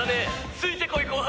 ついてこい後輩！」